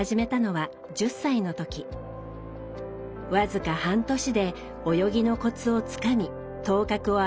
僅か半年で泳ぎのコツをつかみ頭角を現していきます。